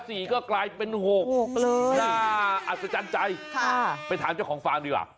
สี่ก็กลายเป็นหกน่าอัศจรรย์ใจไปถามเจ้าของฟาร์มดีกว่า